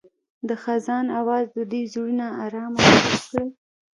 د خزان اواز د دوی زړونه ارامه او خوښ کړل.